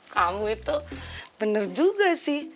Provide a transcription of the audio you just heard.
kamu itu bener juga sih